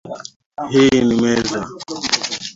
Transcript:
Hii ni meza.